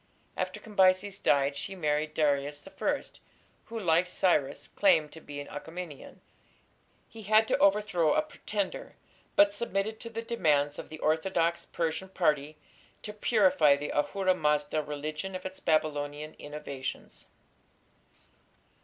After Cambyses died she married Darius I, who, like Cyrus, claimed to be an Achaemenian. He had to overthrow a pretender, but submitted to the demands of the orthodox Persian party to purify the Ahura Mazda religion of its Babylonian innovations.